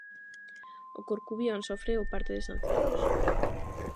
O Corcubión sofre o parte de sancións.